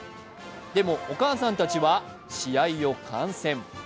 でも、お母さんたちは試合を観戦。